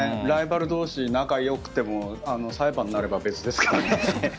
ライバル同士、仲良くても裁判になれば別ですからね。